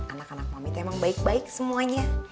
anak anak mami tuh emang baik baik semuanya